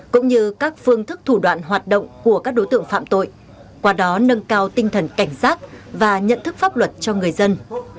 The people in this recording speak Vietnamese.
cũng như các phương thức thủ đoạn hoạt động của các đối tượng phạm tội qua đó nâng cao tinh thần cảnh giác và nhận thức pháp luật cho người dân